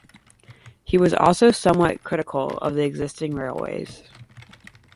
He was also somewhat critical of the existing railways.